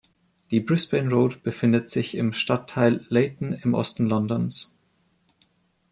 Die Brisbane Road befindet sich im Stadtteil Leyton im Osten Londons.